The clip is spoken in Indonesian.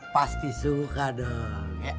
pasti suka dong